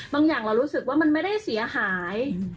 อย่างเรารู้สึกว่ามันไม่ได้เสียหาย